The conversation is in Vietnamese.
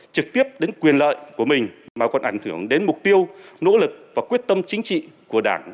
trực tiếp đến quyền lợi của mình mà còn ảnh hưởng đến mục tiêu nỗ lực và quyết tâm chính trị của đảng